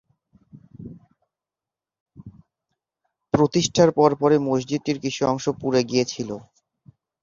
প্রতিষ্ঠার পরপরই মসজিদটির কিছু অংশ পুড়ে গিয়েছিল।